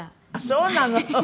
そうなの？